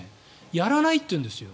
やらないっていうんですよ